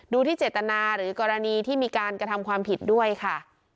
ดูที่เจตนาหรือกรณีที่มีการกระทำความผิดด้วยค่ะ